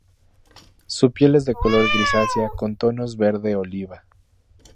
Su piel es de color grisácea con tonos verde oliva.